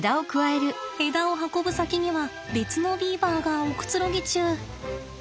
枝を運ぶ先には別のビーバーがおくつろぎ中。